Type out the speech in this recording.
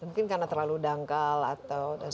mungkin karena terlalu dangkal atau dan lain sebagainya